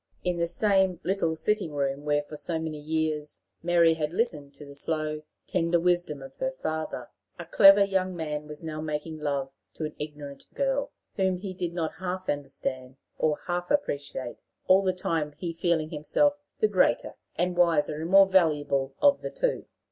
In the same little sitting room, where for so many years Mary had listened to the slow, tender wisdom of her father, a clever young man was now making love to an ignorant girl, whom he did not half understand or half appreciate, all the time he feeling himself the greater and wiser and more valuable of the two.